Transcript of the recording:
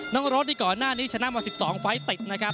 รถนี่ก่อนหน้านี้ชนะมา๑๒ไฟล์ติดนะครับ